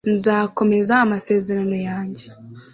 nzakomeza amasezerano yanjye